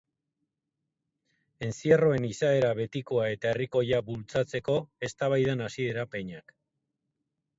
Entzierroen izaera betikoa eta herrikoia bultzatzeko eztabaidan hasi dira peñak.